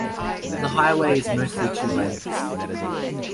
The highway is mostly two-lanes.